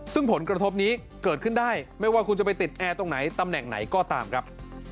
ซึ่งผลกระทบนี้เกิดขึ้นได้ไม่ว่าคุณจะไปติดแอร์ตรงไหนตำแหน่งไหนก็ตามครับ